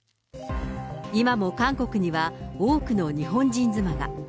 今も韓国には多くの日本人妻が。